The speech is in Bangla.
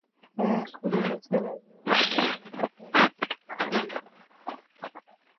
হ্যাঁ, কুড়ি বছর আগে ও আমার রিসার্চ চুরি করে!